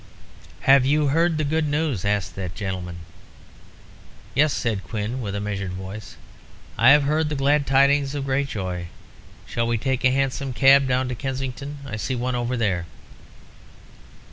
"Have you heard the good news?" asked that gentleman. "Yes," said Quin, with a measured voice. "I have heard the glad tidings of great joy. Shall we take a hansom down to Kensington? I see one over there."